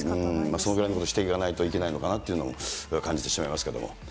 そういうふうにしていかないといけないのかなと感じてしまいますけれども。